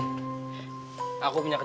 nanti energinya keren